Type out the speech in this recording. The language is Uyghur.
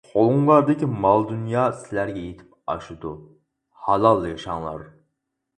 قولۇڭلاردىكى مال-دۇنيا سىلەرگە يېتىپ ئاشىدۇ، ھالال ياشاڭلار.